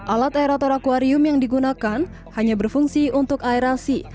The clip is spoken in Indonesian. alat aerator akuarium yang digunakan hanya berfungsi untuk aerasi